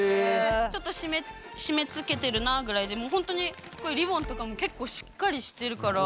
ちょっと締めつけてるなあぐらいでもうほんとにこういうリボンとかも結構しっかりしてるから。